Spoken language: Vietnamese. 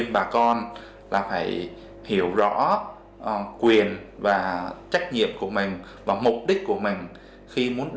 và hiểu quyền và nghĩa vụ của mình